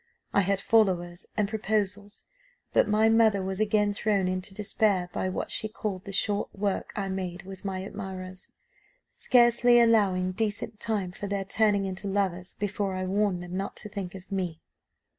I had followers and proposals; but my mother was again thrown into despair by what she called the short work I made with my admirers, scarcely allowing decent time for their turning into lovers before I warned them not to think of me.